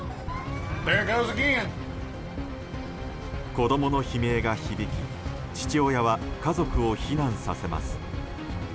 子供の悲鳴が響き父親は家族を避難させます。